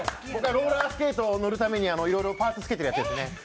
ローラースケート乗るためにいろいろパーツつけてるやつですね。